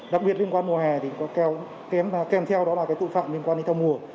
đặc biệt liên quan mùa hè kèm theo là tội phạm liên quan đến thao mùa